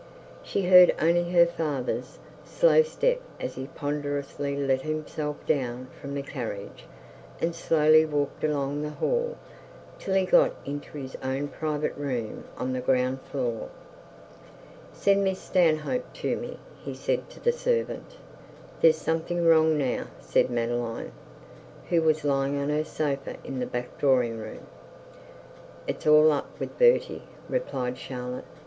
She heard only her father's slow step, as he ponderously let himself down from the carriage, and slowly walked along the hall, till he got into his own private room on the ground floor. 'Send Miss Stanhope to me,' he said to the servant. 'There's something wrong now,' said Madeline, who was lying on her sofa in the back drawing room. 'It's all up with Bertie,' replied Charlotte.